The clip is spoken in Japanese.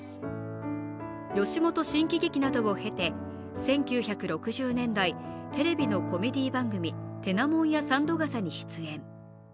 吉本新喜劇などを経て１９６０年代、テレビのコメディー番組「てなもんや三度笠」に出演。